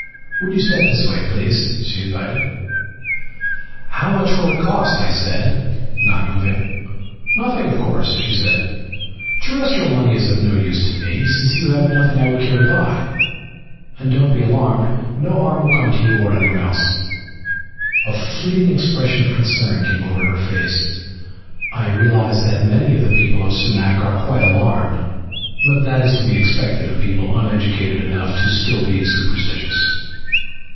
"Would you step this way, please?" she invited. "How much will it cost?" I said, not moving. "Nothing, of course!" Lana said. "Terrestrial money is of no use to me since you have nothing I would care to buy. And don't be alarmed. No harm will come to you, or anyone else." A fleeting expression of concern came over her. "I realize that many of the people of Sumac are quite alarmed, but that is to be expected of a people uneducated enough to still be superstitious."